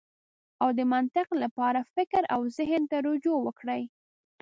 او د منطق لپاره فکر او زهن ته رجوع وکړئ.